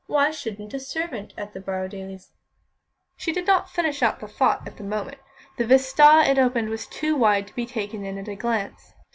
"Why shouldn't a servant at the Borrowdailes' " She did not finish out the thought at the moment; the vista it opened was too wide to be taken in at a glance.